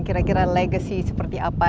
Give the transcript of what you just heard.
kira kira legacy seperti apa